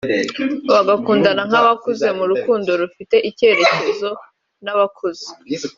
bagakundana nk’abakuze mu rukundo rufite icyerekezo nk’abakuze